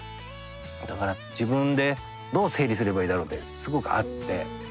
だから自分でどう整理すればいいだろうってすごくあって。